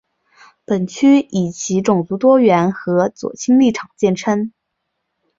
本区以其种族多元和左倾立场见称。